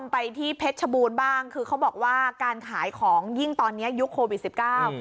ไปที่เพชรชบูรณ์บ้างคือเขาบอกว่าการขายของยิ่งตอนเนี้ยยุคโควิดสิบเก้า